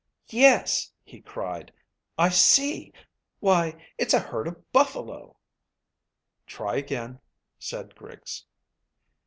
"Yes," he cried, "I see. Why, it's a herd of buffalo!" "Try again," said Griggs.